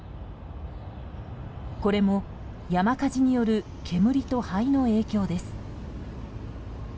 これも山火事による煙と灰の影響です。